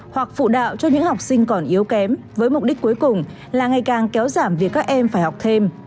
hoặc phụ đạo cho những học sinh còn yếu kém với mục đích cuối cùng là ngày càng kéo giảm việc các em phải học thêm